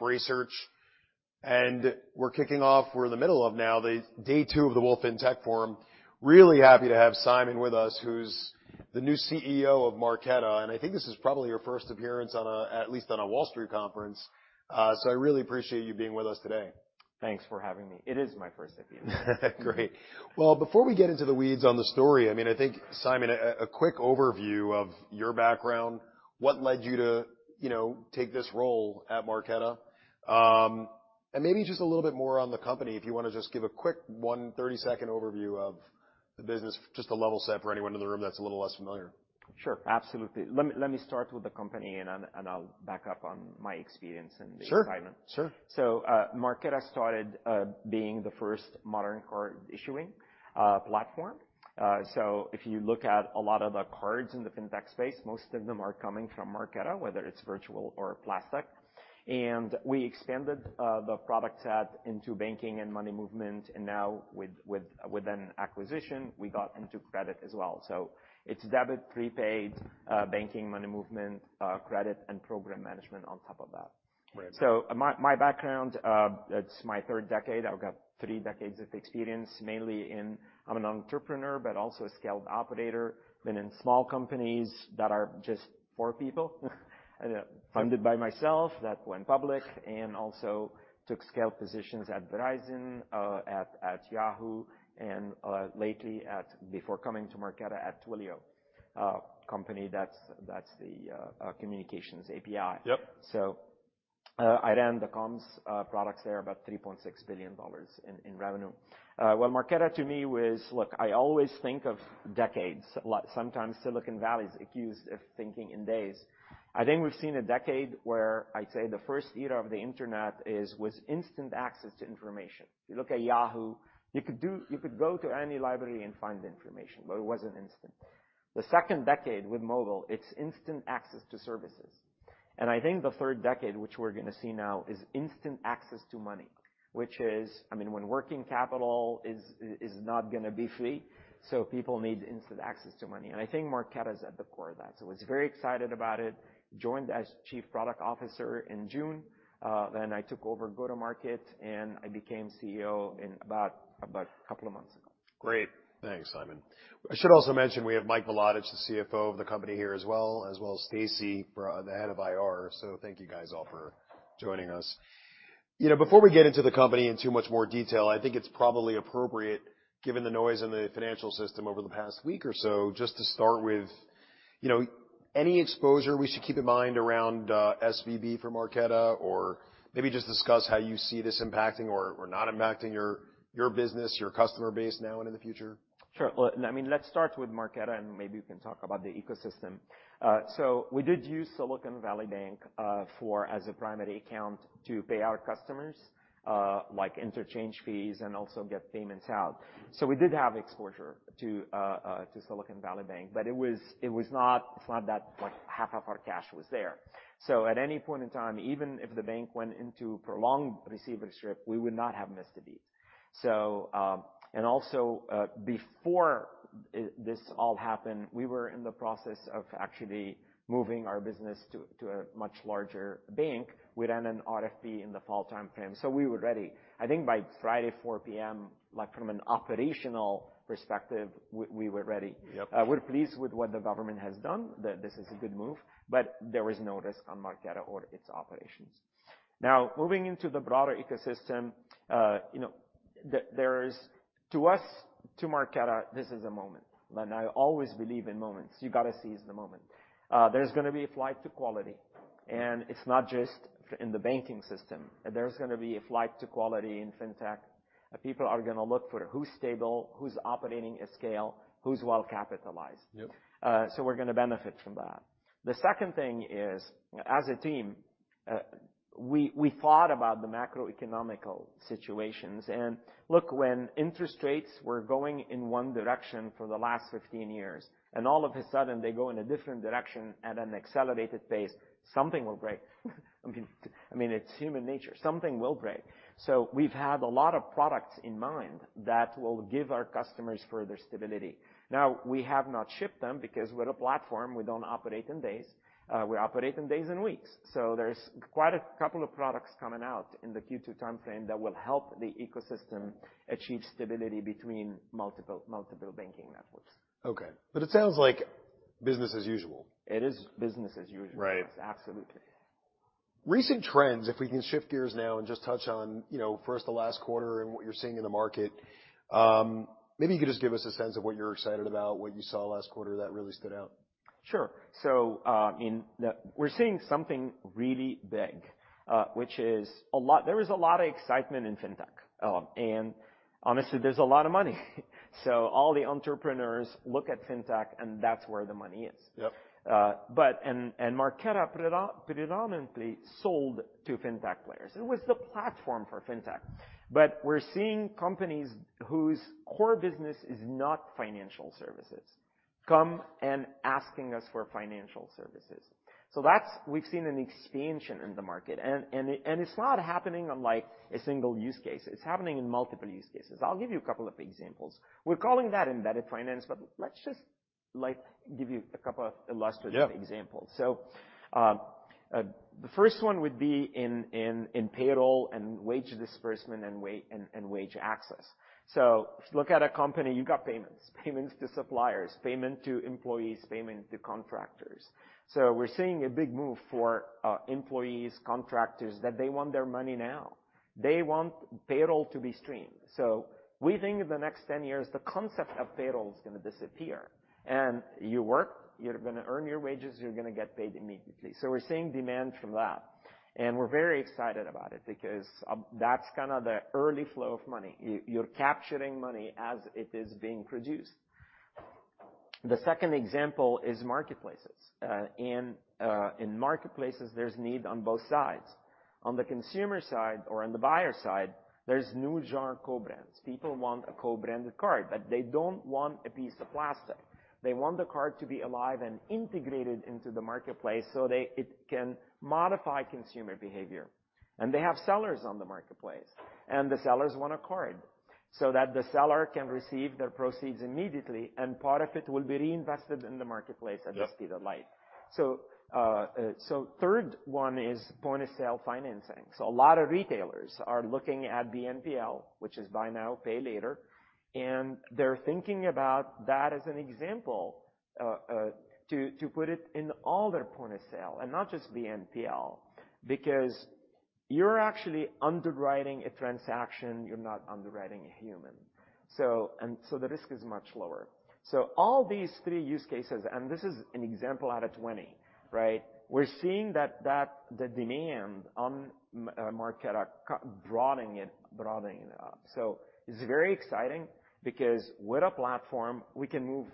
Wolfe Research. We're kicking off, we're in the middle of now the day two of the Wolfe FinTech Forum. Really happy to have Simon with us, who's the new CEO of Marqeta, I think this is probably your first appearance on a Wall Street conference. I really appreciate you being with us today. Thanks for having me. It is my first appearance. Great. Well, before we get into the weeds on the story, I mean, I think, Simon, a quick overview of your background. What led you to, you know, take this role at Marqeta? Maybe just a little bit more on the company, if you wanna just give a quick one 30-second overview of the business, just to level set for anyone in the room that's a little less familiar. Sure. Absolutely. Let me start with the company and I'll back up on my experience in the environment. Sure, sure. Marqeta started being the first modern card issuing platform. If you look at a lot of the cards in the fintech space, most of them are coming from Marqeta, whether it's virtual or plastic. We expanded the product set into banking and money movement, and now with an acquisition, we got into credit as well. It's debit, prepaid, banking, money movement, credit, and program management on top of that. Right. My background, it's my third decade. I've got three decades of experience, mainly in. I'm an entrepreneur, but also a scaled operator. Been in small companies that are just four people, funded by myself, that went public and also took scale positions at Verizon, at Yahoo, and lately at, before coming to Marqeta, at Twilio, company that's the communications API. Yep. I ran the comms products there, about $3.6 billion in revenue. Well, Marqeta to me was... Look, I always think of decades. Like, sometimes Silicon Valley is accused of thinking in days. I think we've seen a decade where I'd say the first era of the Internet was instant access to information. If you look at Yahoo, you could go to any library and find information, but it wasn't instant. The second decade with mobile, it's instant access to services. I think the third decade, which we're gonna see now, is instant access to money, which is, I mean, when working capital is not gonna be free, so people need instant access to money. I think Marqeta is at the core of that. Was very excited about it. Joined as Chief Product Officer in June. I took over go-to-market, and I became CEO in about a couple of months ago. Great. Thanks, Simon. I should also mention we have Mike Milotich, the CFO of the company here as well, as well as Stacey Finerman, the Head of IR. Thank you guys all for joining us. You know, before we get into the company in too much more detail, I think it's probably appropriate, given the noise in the financial system over the past week or so, just to start with, you know, any exposure we should keep in mind around SVB for Marqeta? Or maybe just discuss how you see this impacting or not impacting your business, your customer base now and in the future. Well, I mean, let's start with Marqeta, and maybe we can talk about the ecosystem. We did use Silicon Valley Bank for as a primary account to pay our customers like interchange fees and also get payments out. We did have exposure to Silicon Valley Bank, but it was not that, like, half of our cash was there. At any point in time, even if the bank went into prolonged receivership, we would not have missed a beat. Also, before this all happened, we were in the process of actually moving our business to a much larger bank within an RFP in the fall timeframe. We were ready. I think by Friday, 4:00 P.M., like, from an operational perspective, we were ready. Yep. We're pleased with what the government has done. This is a good move, but there is no risk on Marqeta or its operations. Moving into the broader ecosystem, you know, To us, to Marqeta, this is a moment, and I always believe in moments. You gotta seize the moment. There's gonna be a flight to quality, and it's not just in the banking system. There's gonna be a flight to quality in fintech. People are gonna look for who's stable, who's operating at scale, who's well-capitalized. Yep. We're gonna benefit from that. The second thing is, as a team, we thought about the macroeconomic situations. When interest rates were going in one direction for the last 15 years, and all of a sudden they go in a different direction at an accelerated pace, something will break. I mean, it's human nature. Something will break. We've had a lot of products in mind that will give our customers further stability. Now, we have not shipped them because we're a platform. We don't operate in days. We operate in days and weeks. There's quite a couple of products coming out in the Q2 timeframe that will help the ecosystem achieve stability between multiple banking networks. Okay. It sounds like business as usual. It is business as usual. Right. Absolutely. Recent trends, if we can shift gears now and just touch on, you know, first the last quarter and what you're seeing in the market, maybe you could just give us a sense of what you're excited about, what you saw last quarter that really stood out? Sure. We're seeing something really big, which is a lot... There is a lot of excitement in fintech, and honestly, there's a lot of money. All the entrepreneurs look at fintech, and that's where the money is. Yep. Marqeta predominantly sold to fintech players. It was the platform for fintech. We're seeing companies whose core business is not financial services come and asking us for financial services. That's. We've seen an expansion in the market and it's not happening on, like, a single use case. It's happening in multiple use cases. I'll give you a couple of examples. We're calling that embedded finance. Let's give you a couple of illustrative examples. Yeah. The first one would be in payroll and wage disbursement and wage access. If you look at a company, you've got payments to suppliers, payment to employees, payment to contractors. We're seeing a big move for employees, contractors, that they want their money now. They want payroll to be streamed. We think in the next 10 years, the concept of payroll is gonna disappear. You work, you're gonna earn your wages, you're gonna get paid immediately. We're seeing demand from that, and we're very excited about it because of that's kinda the early flow of money. You're capturing money as it is being produced. The second example is marketplaces. In marketplaces, there's need on both sides. On the consumer side or on the buyer side, there's new genre co-brands. People want a co-branded card, but they don't want a piece of plastic. They want the card to be alive and integrated into the marketplace, so it can modify consumer behavior. They have sellers on the marketplace, and the sellers want a card so that the seller can receive their proceeds immediately, and part of it will be reinvested in the marketplace. Yeah. At the speed of light. Third one is point-of-sale financing. A lot of retailers are looking at BNPL, which is Buy Now, Pay Later. They're thinking about that as an example to put it in all their point of sale and not just BNPL, because you're actually underwriting a transaction, you're not underwriting a human. The risk is much lower. All these three use cases, and this is an example out of 20, right? We're seeing that the demand on Marqeta broadening it out. It's very exciting because with a platform, we can move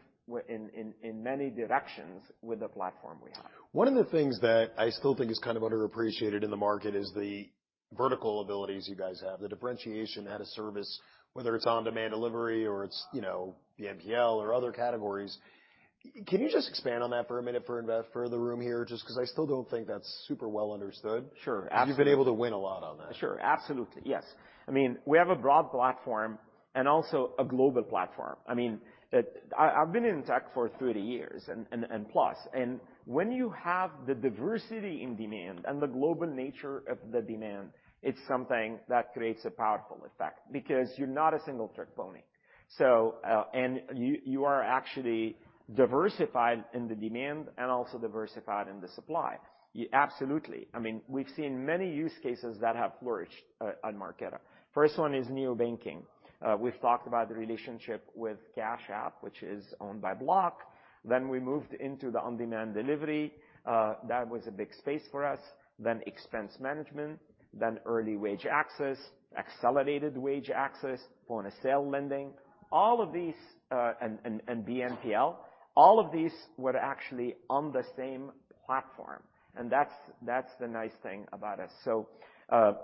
in many directions with the platform we have. One of the things that I still think is kind of underappreciated in the market is the vertical abilities you guys have, the differentiation at a service, whether it's on-demand delivery or it's, you know, BNPL or other categories. Can you just expand on that for a minute for the room here, just 'cause I still don't think that's super well understood? Sure. Absolutely. You've been able to win a lot on that. Sure. Absolutely, yes. I mean, we have a broad platform and also a global platform. I mean, I've been in tech for 30 years and plus. When you have the diversity in demand and the global nature of the demand, it's something that creates a powerful effect because you're not a single trick pony. You are actually diversified in the demand and also diversified in the supply. Absolutely. I mean, we've seen many use cases that have flourished on Marqeta. First one is neobanking. We've talked about the relationship with Cash App, which is owned by Block. We moved into the on-demand delivery. That was a big space for us. Expense management, early wage access, accelerated wage access, point-of-sale lending. All of these, and BNPL, all of these were actually on the same platform, and that's the nice thing about us.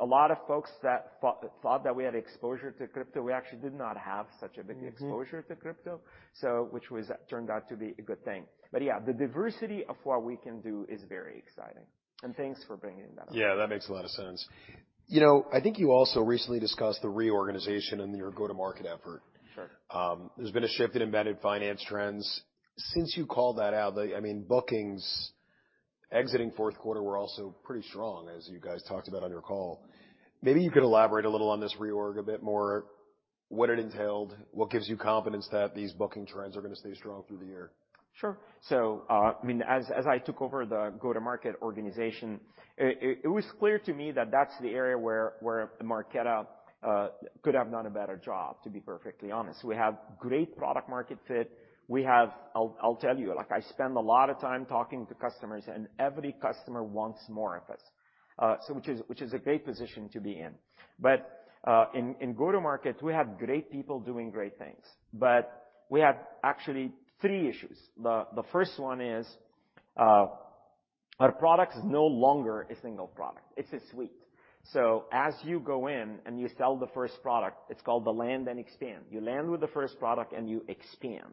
A lot of folks that thought that we had exposure to crypto, we actually did not have. Mm-hmm. Exposure to crypto, which was turned out to be a good thing. Yeah, the diversity of what we can do is very exciting. Thanks for bringing that up. Yeah, that makes a lot of sense. You know, I think you also recently discussed the reorganization in your go-to-market effort. Sure. There's been a shift in embedded finance trends. Since you called that out, I mean, bookings exiting fourth quarter were also pretty strong, as you guys talked about on your call. Maybe you could elaborate a little on this reorg a bit more, what it entailed, what gives you confidence that these booking trends are gonna stay strong through the year? Sure. I mean, as I took over the go-to-market organization, it was clear to me that that's the area where Marqeta could have done a better job, to be perfectly honest. We have great product market fit. We have I'll tell you, like I spend a lot of time talking to customers, and every customer wants more of us, so which is a great position to be in. In go-to-market, we have great people doing great things, but we had actually three issues. The first one is, our product is no longer a single product. It's a suite. As you go in and you sell the first product, it's called the land then expand. You land with the first product and you expand.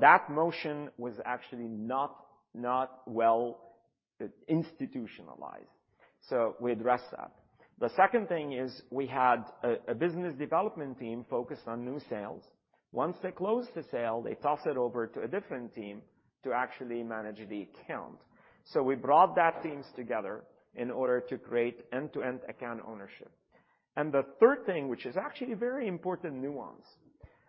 That motion was actually not well institutionalized. We addressed that. The second thing is we had a business development team focused on new sales. Once they close the sale, they toss it over to a different team to actually manage the account. We brought that teams together in order to create end-to-end account ownership. The third thing, which is actually a very important nuance,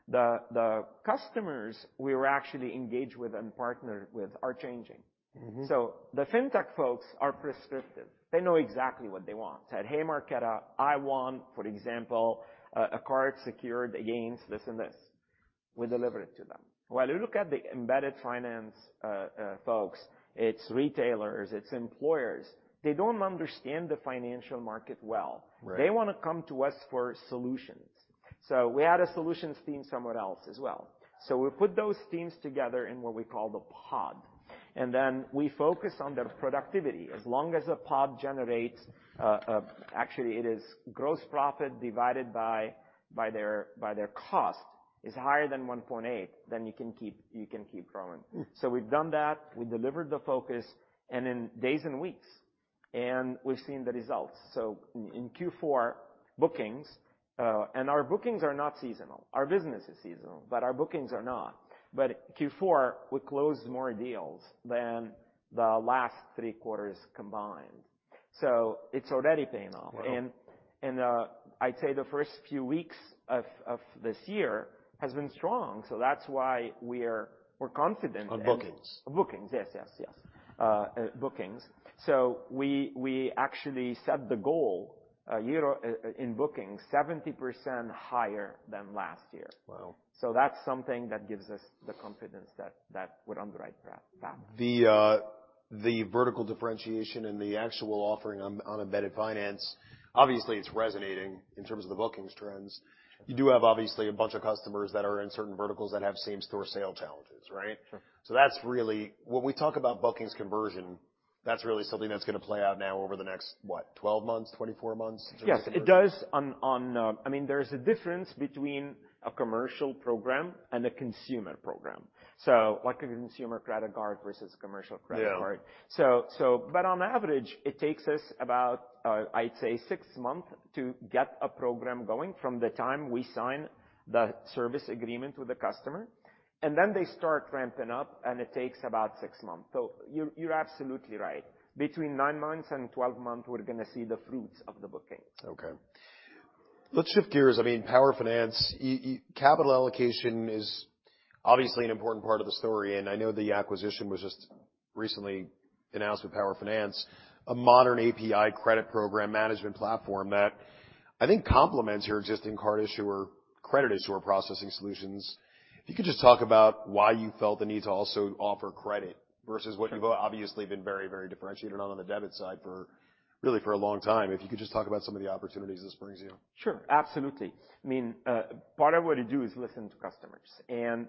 the customers we were actually engaged with and partnered with are changing. Mm-hmm. The fintech folks are prescriptive. They know exactly what they want. Said, "Hey, Marqeta, I want, for example, a card secured against this and this." We deliver it to them. You look at the embedded finance folks, it's retailers, it's employers, they don't understand the financial market well. Right. They wanna come to us for solutions. We had a solutions team somewhere else as well. We put those teams together in what we call the pod, and then we focus on their productivity. As long as the pod generates, actually it is gross profit divided by their cost is higher than 1.8, then you can keep growing. Mm. We've done that. We delivered the focus. We've seen the results. In Q4 bookings, and our bookings are not seasonal. Our business is seasonal, but our bookings are not. Q4, we closed more deals than the last three quarters combined. It's already paying off. Wow. I'd say the first few weeks of this year has been strong. That's why we're confident. On bookings. Bookings, yes. Bookings. We actually set the goal a year in bookings 70% higher than last year. Wow. That's something that gives us the confidence that we're on the right path. The, the vertical differentiation and the actual offering on embedded finance, obviously, it's resonating in terms of the bookings trends. You do have, obviously, a bunch of customers that are in certain verticals that have same-store sale challenges, right? Sure. That's really when we talk about bookings conversion, that's really something that's gonna play out now over the next, what, 12 months, 24 months. Yes, it does on. I mean, there's a difference between a commercial program and a consumer program. Like a consumer credit card versus commercial credit card. Yeah. But on average, it takes us about, I'd say six months to get a program going from the time we sign the service agreement with the customer, and then they start ramping up, and it takes about six months. You're absolutely right. Between nine months and 12 months, we're gonna see the fruits of the bookings. Okay. Let's shift gears. I mean, Power Finance, capital allocation is obviously an important part of the story. I know the acquisition was just recently announced with Power Finance, a modern API credit program management platform that I think complements your existing card issuer, credit issuer processing solutions. If you could just talk about why you felt the need to also offer credit versus what you've obviously been very differentiated on the debit side for a long time. If you could just talk about some of the opportunities this brings you. Sure. Absolutely. I mean, part of what you do is listen to customers.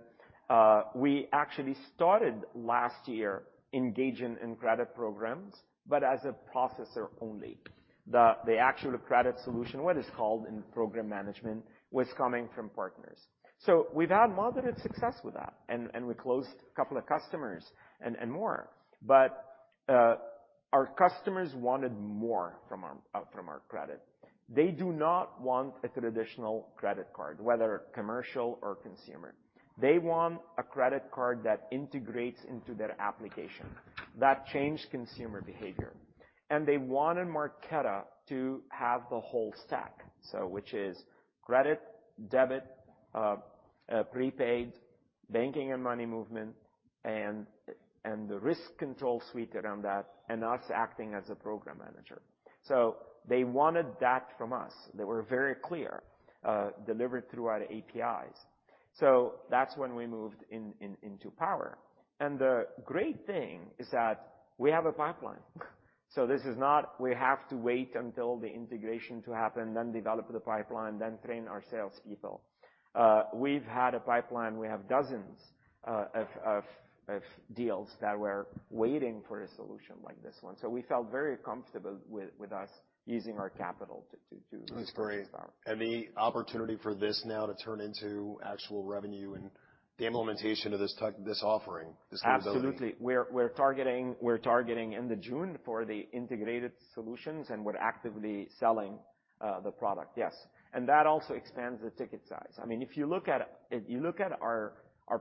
We actually started last year engaging in credit programs, but as a processor only. The actual credit solution, what is called in program management, was coming from partners. We've had moderate success with that, and we closed a couple of customers and more. Our customers wanted more from our credit. They do not want a traditional credit card, whether commercial or consumer. They want a credit card that integrates into their application, that change consumer behavior. They wanted Marqeta to have the whole stack, so which is credit, debit, prepaid, banking and money movement, and the risk control suite around that, and us acting as a program manager. They wanted that from us. They were very clear, delivered through our APIs. That's when we moved into Power. The great thing is that we have a pipeline. This is not we have to wait until the integration to happen, then develop the pipeline, then train our sales people. We've had a pipeline. We have dozens of deals that were waiting for a solution like this one. We felt very comfortable with us using our capital. That's great. The opportunity for this now to turn into actual revenue and the implementation of this offering, this capability. Absolutely. We're targeting end of June for the integrated solutions. We're actively selling the product. Yes. That also expands the ticket size. I mean, if you look at, if you look at our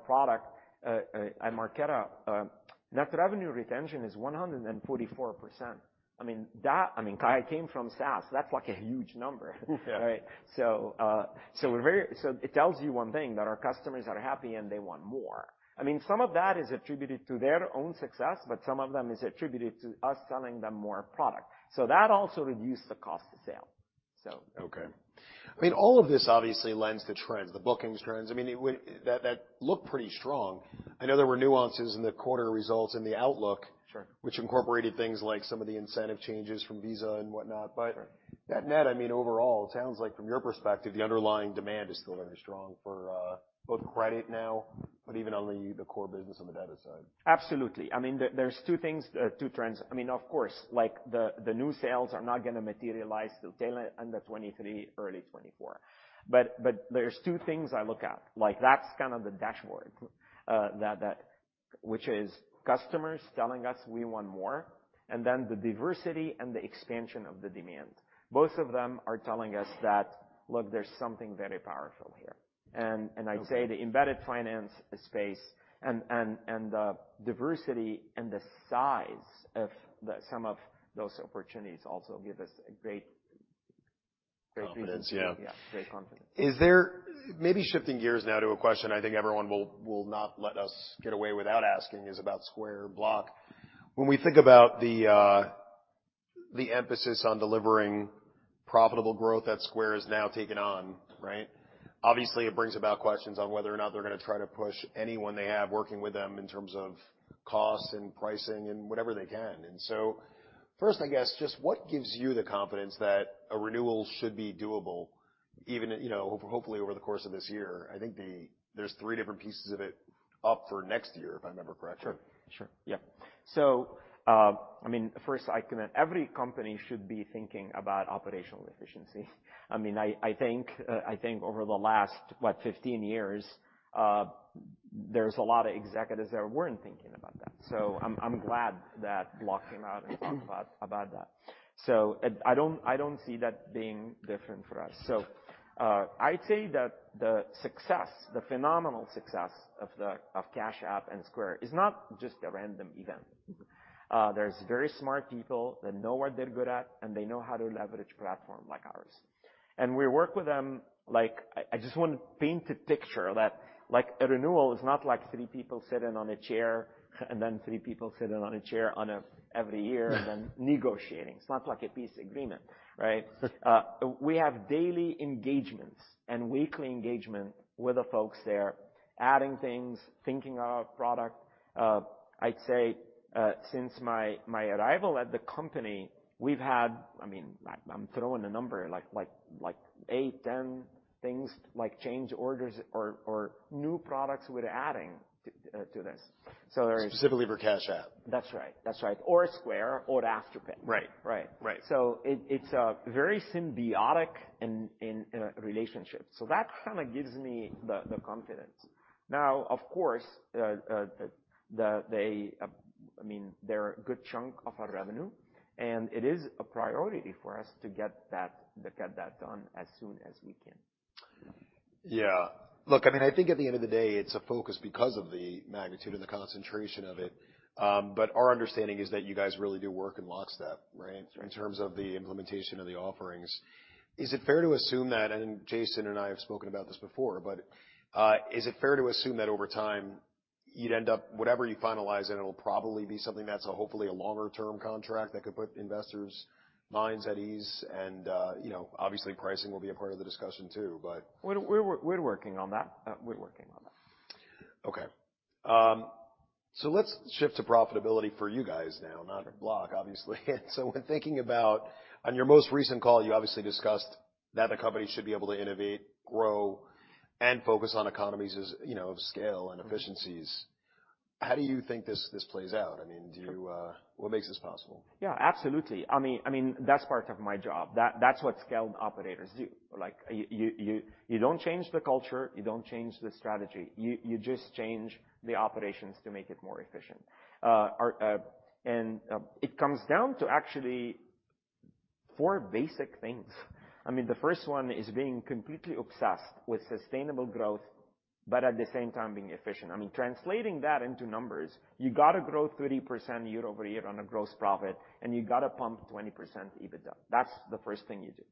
product at Marqeta, net revenue retention is 144%. I mean, that, I mean, I came from SaaS, that's like a huge number. Yeah. Right? It tells you one thing, that our customers are happy and they want more. I mean, some of that is attributed to their own success, but some of them is attributed to us selling them more product. That also reduced the cost of sale, so. Okay. I mean, all of this obviously lends to trends, the bookings trends. I mean, that looked pretty strong. I know there were nuances in the quarter results and the outlook. Sure. Which incorporated things like some of the incentive changes from Visa and whatnot. Right. Net, net, I mean, overall, it sounds like from your perspective, the underlying demand is still very strong for both credit now, but even on the core business on the debit side. Absolutely. I mean, there's two things, two trends. I mean, of course, like, the new sales are not gonna materialize till tail end of 2023, early 2024. There's two things I look at. Like, that's kind of the dashboard, that which is customers telling us we want more, and then the diversity and the expansion of the demand. Both of them are telling us that, look, there's something very powerful here. I'd say the embedded finance space and the diversity and the size of some of those opportunities also give us a great reason. Confidence, yeah. Yeah, great confidence. Is there... Maybe shifting gears now to a question I think everyone will not let us get away without asking is about Square/Block. When we think about the emphasis on delivering profitable growth that Square has now taken on, right? Obviously, it brings about questions on whether or not they're gonna try to push anyone they have working with them in terms of costs and pricing and whatever they can. First, I guess just what gives you the confidence that a renewal should be doable even, you know, over, hopefully over the course of this year? I think there's three different pieces of it up for next year, if I remember correctly. Sure. Sure. Yeah. I mean, first, every company should be thinking about operational efficiency. I mean, I think over the last, what, 15 years, there's a lot of executives that weren't thinking about that. I'm glad that Block came out and talked about that. I don't see that being different for us. I'd say that the success, the phenomenal success of Cash App and Square is not just a random event. There's very smart people that know what they're good at, and they know how to leverage platform like ours. We work with them. I just want to paint a picture that like a renewal is not like three people sitting on a chair and then three people sitting on a chair on a every year then negotiating. It's not like a peace agreement, right? We have daily engagements and weekly engagement with the folks there, adding things, thinking of product. I'd say, since my arrival at the company, we've had, I mean, I'm throwing a number like eight, 10 things like change orders or new products we're adding to this. Specifically for Cash App. That's right. That's right. Square or Afterpay. Right. Right. Right. It's a very symbiotic in relationship. That kinda gives me the confidence. Now, of course, they, I mean, they're a good chunk of our revenue, and it is a priority for us to get that done as soon as we can. Yeah. Look, I mean, I think at the end of the day, it's a focus because of the magnitude and the concentration of it. Our understanding is that you guys really do work in lockstep, right? Sure. In terms of the implementation of the offerings. Is it fair to assume that, and Jason and I have spoken about this before, but, is it fair to assume that over time you'd end up... whatever you finalize, and it'll probably be something that's hopefully a longer-term contract that could put investors' minds at ease and, you know, obviously pricing will be a part of the discussion too but- We're working on that. We're working on that. Okay. Let's shift to profitability for you guys now, not at Block, obviously. When thinking about... On your most recent call, you obviously discussed that the company should be able to innovate, grow, and focus on economies of, you know, scale and efficiencies. How do you think this plays out? I mean, what makes this possible? Absolutely. I mean, that's part of my job. That's what scaled operators do. Like, you don't change the culture, you don't change the strategy. You just change the operations to make it more efficient. It comes down to actually four basic things. I mean, the first one is being completely obsessed with sustainable growth, but at the same time being efficient. I mean, translating that into numbers, you gotta grow 30% year-over-year on a gross profit, and you gotta pump 20% EBITDA. That's the first thing you do.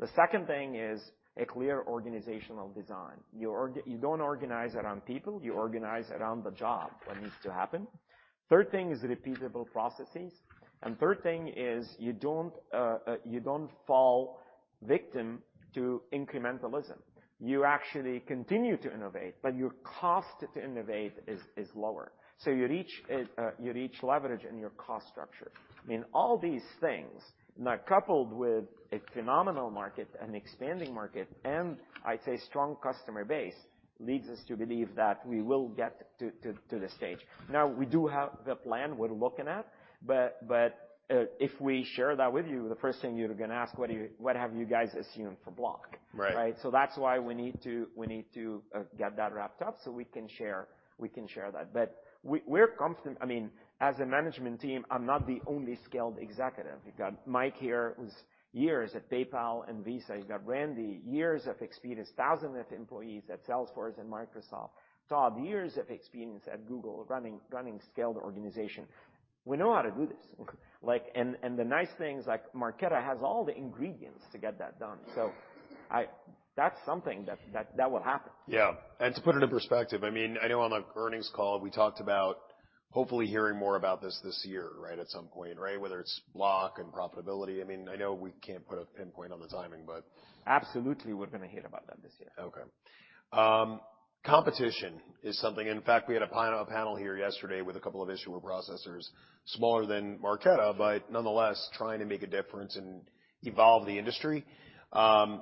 The second thing is a clear organizational design. You don't organize around people, you organize around the job that needs to happen. Third thing is repeatable processes. Third thing is you don't fall victim to incrementalism. You actually continue to innovate, but your cost to innovate is lower. You reach leverage in your cost structure. I mean, all these things, now coupled with a phenomenal market, an expanding market, and I'd say strong customer base, leads us to believe that we will get to the stage. Now, we do have the plan we're looking at, but if we share that with you, the first thing you're gonna ask, what have you guys assumed for Block? Right. Right? That's why we need to, we need to get that wrapped up so we can share, we can share that. We're confident. I mean, as a management team, I'm not the only scaled executive. You've got Mike here, who's years at PayPal and Visa. You've got Randy, years of experience, thousands of employees at Salesforce and Microsoft. Todd, years of experience at Google running scaled organization. We know how to do this. Like, and the nice thing is like Marqeta has all the ingredients to get that done. That's something that will happen. Yeah. To put it in perspective, I mean, I know on the earnings call, we talked about hopefully hearing more about this this year, right, at some point, right? Whether it's Block and profitability. I mean, I know we can't put a pinpoint on the timing, but. Absolutely, we're gonna hear about that this year. Okay. Competition is something. In fact, we had a panel here yesterday with a couple of issuer-processors smaller than Marqeta, but nonetheless, trying to make a difference and evolve the industry. At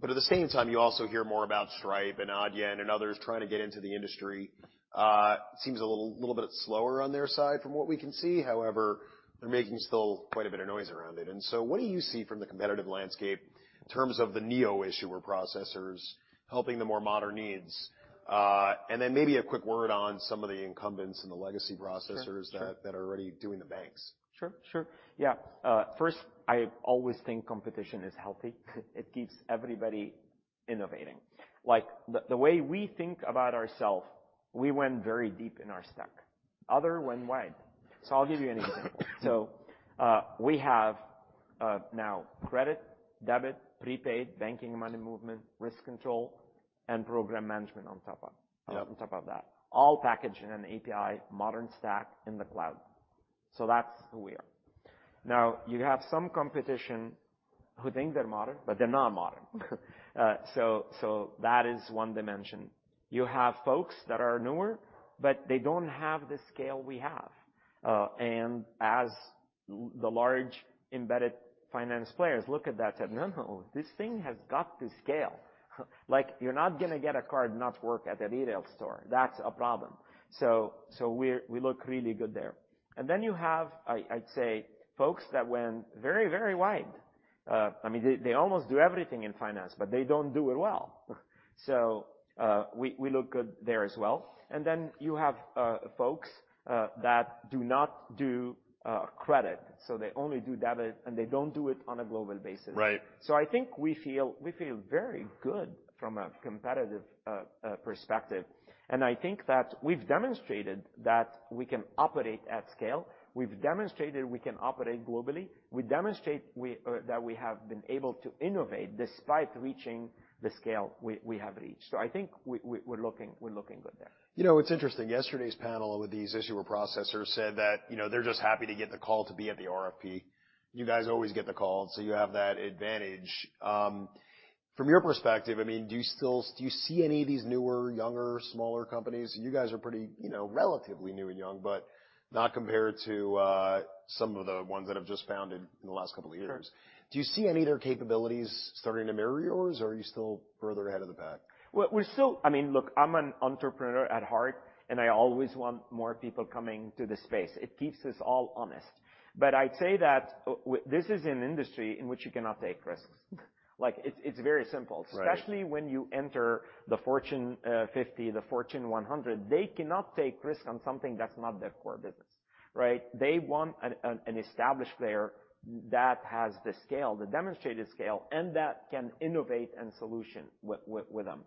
the same time, you also hear more about Stripe and Adyen and others trying to get into the industry. Seems a little bit slower on their side from what we can see. However, they're making still quite a bit of noise around it. What do you see from the competitive landscape in terms of the neo-issuer-processors helping the more modern needs? Maybe a quick word on some of the incumbents and the legacy processors- Sure, sure. that are already doing the banks. Sure, sure. Yeah. First, I always think competition is healthy. It keeps everybody innovating. Like the way we think about ourself, we went very deep in our stack. Other went wide. I'll give you an example. We have now credit, debit, prepaid, banking and money movement, risk control, and program management on top of. Yep. On top of that. All packaged in an API modern stack in the cloud. That's who we are. Now, you have some competition who think they're modern, but they're not modern. That is one dimension. You have folks that are newer, but they don't have the scale we have. As large embedded finance players look at that and say, "No, no, this thing has got to scale." Like, you're not gonna get a card not work at a retail store. That's a problem. We look really good there. You have folks that went very, very wide. I mean, they almost do everything in finance, but they don't do it well. We look good there as well. You have folks that do not do credit, so they only do debit, and they don't do it on a global basis. Right. I think we feel very good from a competitive perspective. I think that we've demonstrated that we can operate at scale. We've demonstrated we can operate globally. We demonstrate we that we have been able to innovate despite reaching the scale we have reached. I think we're looking good there. You know, it's interesting. Yesterday's panel with these issuer-processor said that, you know, they're just happy to get the call to be at the RFP. You guys always get the call, so you have that advantage. From your perspective, I mean, do you still do you see any of these newer, younger, smaller companies? You guys are pretty, you know, relatively new and young, but not compared to some of the ones that have just founded in the last couple of years. Do you see any of their capabilities starting to mirror yours, or are you still further ahead of the pack? Well, we're still I mean, look, I'm an entrepreneur at heart, and I always want more people coming to the space. It keeps us all honest. I'd say that this is an industry in which you cannot take risks. Like it's very simple. Right. Especially when you enter the Fortune 50, the Fortune 100, they cannot take risks on something that's not their core business, right? They want an established player that has the scale, the demonstrated scale, and that can innovate and solution with them.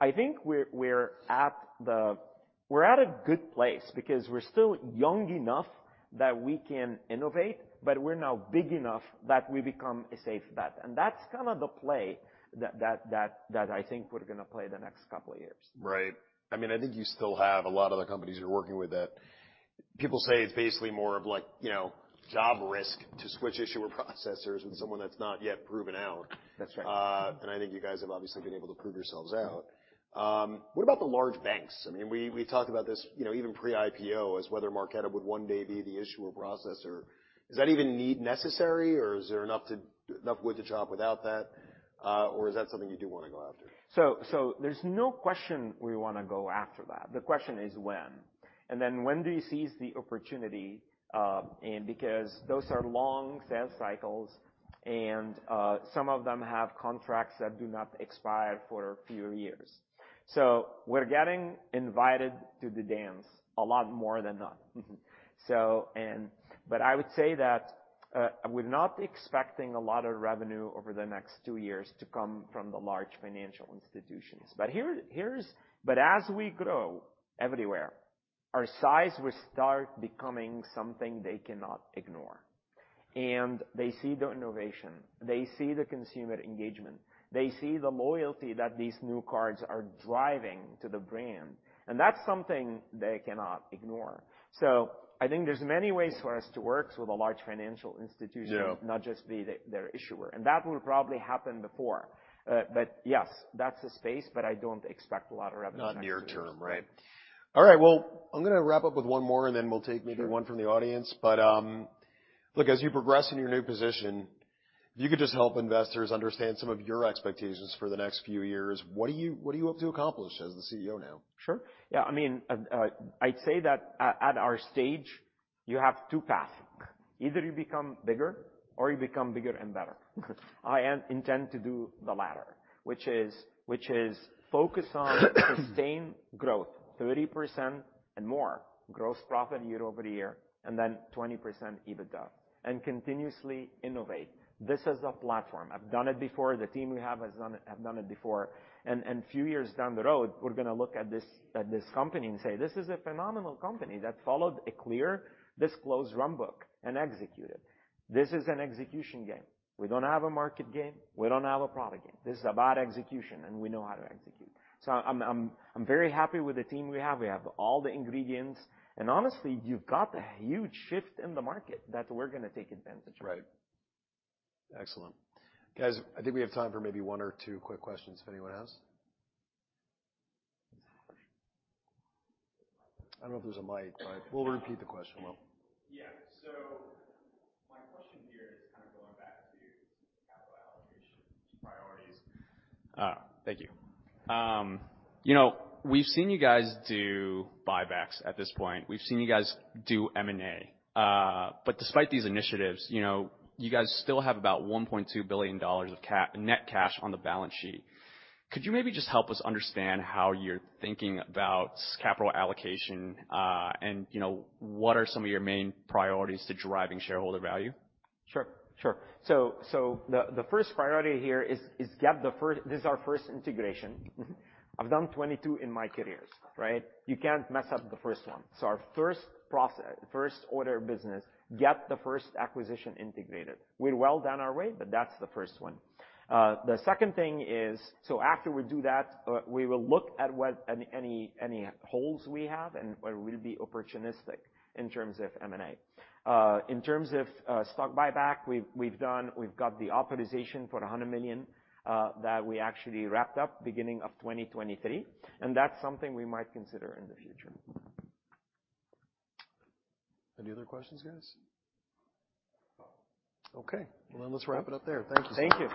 I think we're at a good place because we're still young enough that we can innovate, but we're now big enough that we become a safe bet. That's kinda the play that I think we're gonna play the next couple of years. Right. I mean, I think you still have a lot of the companies you're working with that people say it's basically more of like, you know, job risk to switch issuer-processors with someone that's not yet proven out. That's right. I think you guys have obviously been able to prove yourselves out. What about the large banks? I mean, we talked about this, you know, even pre-IPO as whether Marqeta would one day be the issuer-processor. Is that even need necessary, or is there enough wood to chop without that, or is that something you do wanna go after? There's no question we wanna go after that. The question is when. Then when do you seize the opportunity, and because those are long sales cycles, and some of them have contracts that do not expire for a few years. We're getting invited to the dance a lot more than not. But I would say that, we're not expecting a lot of revenue over the next two years to come from the large financial institutions. Here's, but as we grow everywhere, our size will start becoming something they cannot ignore. They see the innovation. They see the consumer engagement. They see the loyalty that these new cards are driving to the brand, and that's something they cannot ignore. I think there's many ways for us to work with a large financial institution. Yeah. Not just be their issuer. That will probably happen before. Yes, that's the space, but I don't expect a lot of revenue next year. Not near term, right. All right. Well, I'm gonna wrap up with one more, and then we'll take maybe one from the audience. Sure. Look, as you progress in your new position, if you could just help investors understand some of your expectations for the next few years. What do you hope to accomplish as the CEO now? Sure. Yeah, I mean, I'd say that at our stage, you have two paths. Either you become bigger or you become bigger and better. I am intend to do the latter, which is focus on sustained growth, 30% and more gross profit year-over-year, and then 20% EBITDA, and continuously innovate. This is a platform. I've done it before. The team we have have done it before. Few years down the road, we're gonna look at this company and say, "This is a phenomenal company that followed a clear disclosed runbook and executed." This is an execution game. We don't have a market game. We don't have a product game. This is about execution, and we know how to execute. I'm very happy with the team we have. We have all the ingredients. Honestly, you've got a huge shift in the market that we're going to take advantage of. Right. Excellent. Guys, I think we have time for maybe one or two quick questions if anyone has. I don't know if there's a mic, but we'll repeat the question. Well. My question here is kind of going back to capital allocation priorities. Thank you. you know, we've seen you guys do buybacks at this point. We've seen you guys do M&A. Despite these initiatives, you know, you guys still have about $1.2 billion of net cash on the balance sheet. Could you maybe just help us understand how you're thinking about capital allocation, and, you know, what are some of your main priorities to driving shareholder value? Sure. Sure. The first priority here is. This is our first integration. Mm-hmm. I've done 22 in my careers, right? You can't mess up the first one. Our first order of business, get the first acquisition integrated. We're well down our way, but that's the first one. The second thing is, after we do that, we will look at what any holes we have, and we'll be opportunistic in terms of M&A. In terms of stock buyback, we've done, we've got the authorization for $100 million that we actually wrapped up beginning of 2023, and that's something we might consider in the future. Any other questions, guys? Okay. Well, then, let's wrap it up there. Thank you so much.